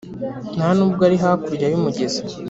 nta n’ubwo ari hakurya y’umugezi